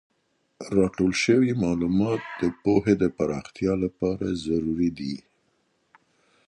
راټول سوی معلومات د پوهې د پراختیا لپاره ضروري دي.